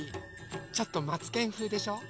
ちょっとマツケンふうでしょう？